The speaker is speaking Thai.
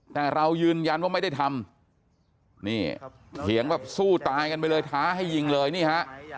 แต่เรายืนยันว่าไม่ได้ทำนี่เถียงแบบสู้ตายกันไปเลยท้าให้ยิงเลยนี่ฮะ